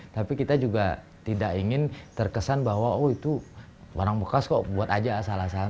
tapi kita juga tidak ingin terkesan bahwa oh itu barang bekas kok buat aja asal asalan